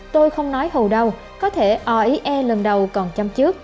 tôi không nói hầu đâu có thể oie lần đầu còn chăm chước